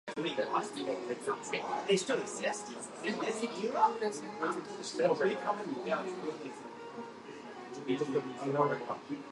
Louis was also an uncle of Mary, Queen of Scots.